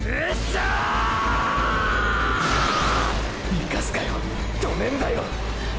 行かすかよ止めんだよ！！